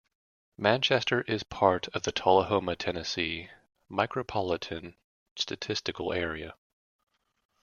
Manchester is part of the Tullahoma, Tennessee Micropolitan Statistical Area.